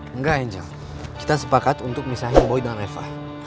enggak angel kita sepakat untuk misahin boy dan reva